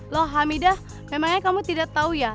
loh hamidah memangnya kamu tidak tahu ya